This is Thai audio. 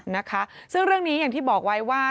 นะคะซึ่งเรื่องนี้อย่างที่บอกไว้ว่า